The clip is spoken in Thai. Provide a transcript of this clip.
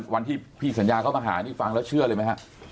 วันที่พี่สัญญาเข้ามาหานี่ฟังแล้วเชื่อเลยไหมฮะ